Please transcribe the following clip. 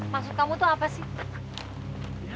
maksud kamu itu apa sih